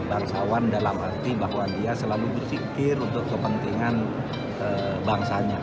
bangsawan dalam arti bahwa dia selalu berpikir untuk kepentingan bangsanya